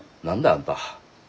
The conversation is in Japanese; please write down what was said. あんた。